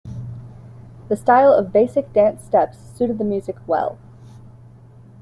The style of basic dance steps suited the music well.